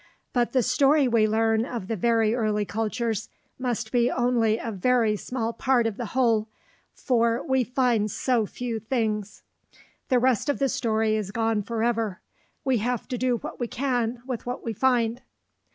But the story we learn of the very early cultures must be only a very small part of the whole, for we find so few things. The rest of the story is gone forever. We have to do what we can with what we find.